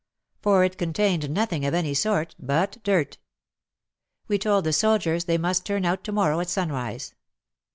For it contained nothing of any sort but dirt. We told the soldiers they must turn out to morrow at sun rise.